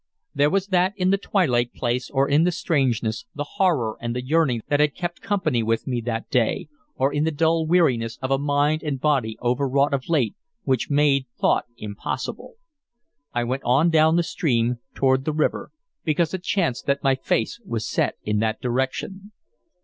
There was that in the twilight place, or in the strangeness, the horror, and the yearning that had kept company with me that day, or in the dull weariness of a mind and body overwrought of late, which made thought impossible. I went on down the stream toward the river, because it chanced that my face was set in that direction.